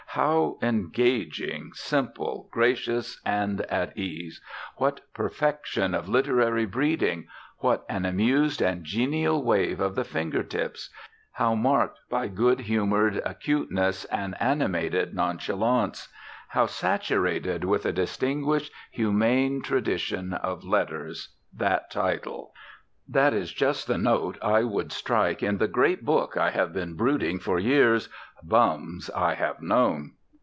How engaging, simple, gracious, and at ease; what perfection of literary breeding; what an amused and genial wave of the finger tips; how marked by good humoured acuteness, and animated nonchalance; how saturated with a distinguished, humane tradition of letters that title! That is just the note I would strike in the great book I have been brooding for years, "Bums I Have Known."